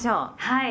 はい。